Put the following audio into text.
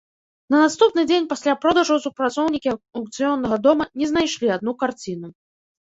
На наступны дзень пасля продажу супрацоўнікі аўкцыённага дома не знайшлі адну карціну.